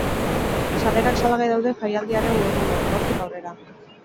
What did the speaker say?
Sarrerak salgai daude jaialdiaren webgunean, gaurtik aurrera.